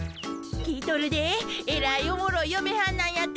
聞いとるでえらいおもろいよめはんなんやて？